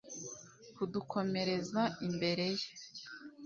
kudukomereza imbere ye